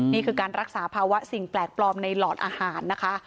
นี่คือการรักษาภาวะสิ่งแปลกปลอมในหลอดอาหารนะคะ